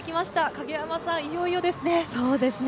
影山さん、いよいよですね。